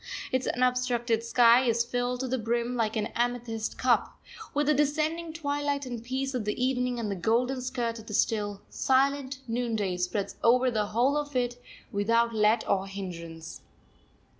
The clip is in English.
Its unobstructed sky is filled to the brim, like an amethyst cup, with the descending twilight and peace of the evening; and the golden skirt of the still, silent noonday spreads over the whole of it without let or hindrance.